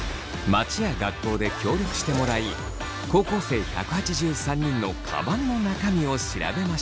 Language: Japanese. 街や学校で協力してもらい高校生１８３人のカバンの中身を調べました。